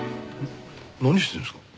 何してるんですか？